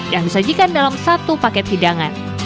yang disajikan dalam satu paket hidangan